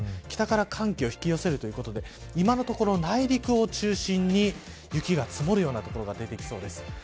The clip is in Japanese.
北から寒気を引き寄せるということで今のところ内陸を中心に雪が積もるような所が出てきそうです。